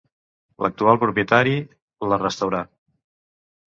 L'actual propietari la restaurà.